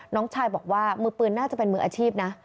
น้องชายบอกว่ามือปืนน่าจะเป็นมืออาชีพนะ